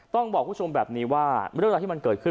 ต้องบอกคุณผู้ชมแบบนี้ว่าเรื่องราวที่มันเกิดขึ้น